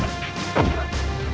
marah jijik hujan dan otot